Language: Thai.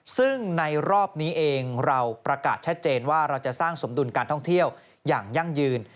ซึ่งในรอบนี้เองเราประกาศชัดเจนว่าเราจะสร้างสมดุลการท่องเที่ยวอย่างยั่งยืน